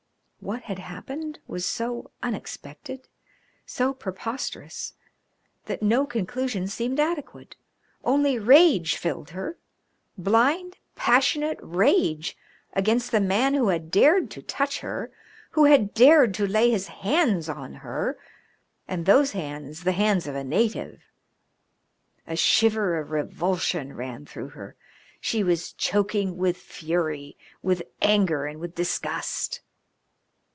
What had happened was so unexpected, so preposterous, that no conclusion seemed adequate. Only rage filled her blind, passionate rage against the man who had dared to touch her, who had dared to lay his hands on her, and those hands the hands of a native. A shiver of revulsion ran through her. She was choking with fury, with anger and with disgust.